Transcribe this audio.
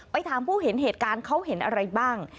ถามผู้เห็นเหตุการณ์เขาเห็นอะไรบ้าง